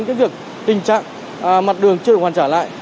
cái việc tình trạng mặt đường chưa được hoàn trả lại